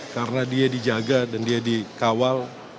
karena dia dijaga dan dia dikawal